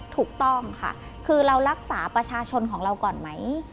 ถูกต้องค่ะคือเรารักษาประชาชนของเราก่อนไหม